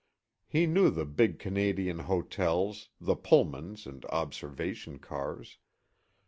He knew the big Canadian hotels, the pullmans and observation cars.